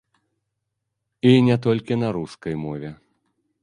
І не толькі на рускай мове.